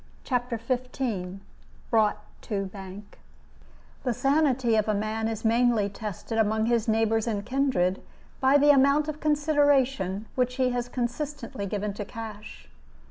CHAPTER XV BROUGHT TO BANK The sanity of a man is mainly tested among his neighbors and kindred by the amount of consideration which he has consistently given to cash.